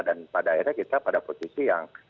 dan pada akhirnya kita pada posisi yang